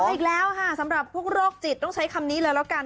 อีกแล้วค่ะสำหรับพวกโรคจิตต้องใช้คำนี้เลยแล้วกัน